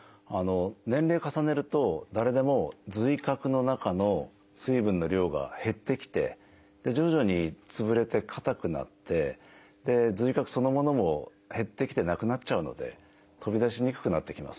年齢重ねると誰でも髄核の中の水分の量が減ってきて徐々に潰れてかたくなって髄核そのものも減ってきてなくなっちゃうので飛び出しにくくなってきます。